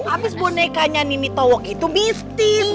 abis bonekanya nini towo itu mistis